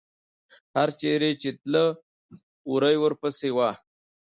هر چېرې چې تله، وری ورپسې و.